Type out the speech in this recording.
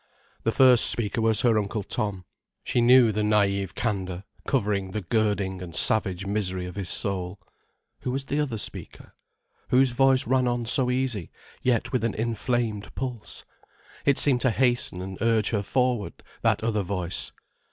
The first speaker was her Uncle Tom. She knew the naïve candour covering the girding and savage misery of his soul. Who was the other speaker? Whose voice ran on so easy, yet with an inflamed pulse? It seemed to hasten and urge her forward, that other voice.